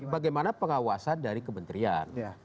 bagaimana pengawasan dari kementerian